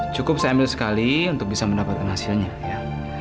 cukup saya ambil sekali untuk bisa mendapatkan hasilnya ya